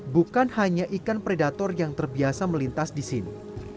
bukan hanya ikan predator yang terbiasa melintas di sini